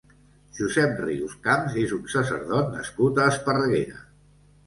Josep Rius-Camps és un sacerdot nascut a Esparreguera.